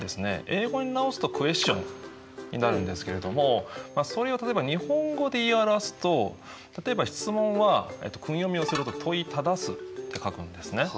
英語に直すとクエスチョンになるんですけれどもそれを例えば日本語で言い表すと例えば質問は訓読みをすると問い質すと書くんですね。